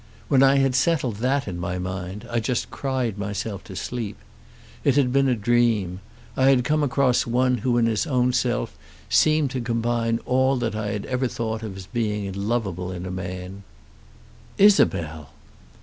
When I had settled that in my mind, I just cried myself to sleep. It had been a dream. I had come across one who in his own self seemed to combine all that I had ever thought of as being lovable in a man " "Isabel!"